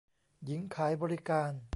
หญิงขายบริการ